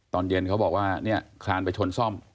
ตอนเย็นเขาบอกว่าเนี่ยคลานไปชนซ่อม